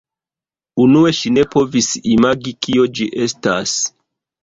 Unue ŝi ne povis imagi kio ĝi estas.